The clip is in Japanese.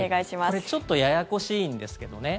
これ、ちょっとややこしいんですけどね。